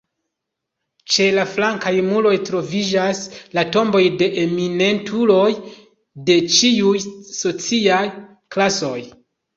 Ĉe la flankaj muroj troviĝas la tomboj de eminentuloj de ĉiuj sociaj klasoj.